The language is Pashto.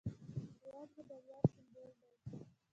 هېواد مو د ویاړ سمبول دی